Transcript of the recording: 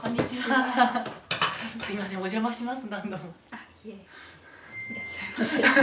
あいえいらっしゃいませ。